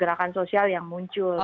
gerakan sosial yang muncul